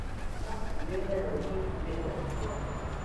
Ljubezen rodi ljubezen.